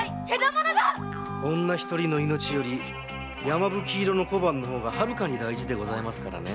獣だ‼女一人の命より山吹色の小判のほうがはるかに大事ですからね。